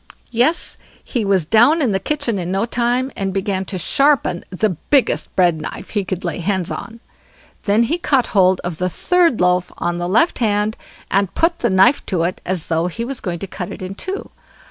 Yes! the was down in the kitchen in no time, and began to sharpen the biggest bread knife he could lay hands on; then he caught hold of the third loaf on the left hand, and put the knife to it, as though he was going to cut it in two.